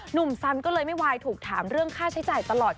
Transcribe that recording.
หนุ่มสันก็เลยไม่ไหวถูกถามเรื่องค่าใช้จ่ายตลอด